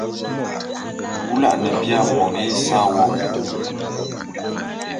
Bula’ane bia moni esa won !